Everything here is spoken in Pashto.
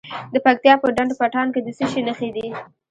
د پکتیا په ډنډ پټان کې د څه شي نښې دي؟